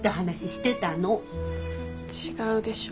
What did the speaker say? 違うでしょ。